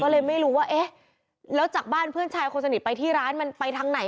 ก็เลยไม่รู้ว่าเอ๊ะแล้วจากบ้านเพื่อนชายคนสนิทไปที่ร้านมันไปทางไหน